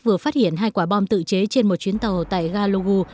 vừa phát hiện hai quả bom tự chế trên một chuyến tàu tại ga logu